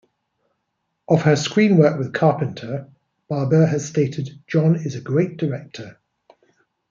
Of her screen work with Carpenter, Barbeau has stated: John is a great director.